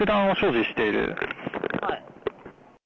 はい。